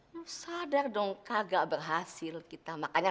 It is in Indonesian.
mu sadar dong kagak berhasil kita makanya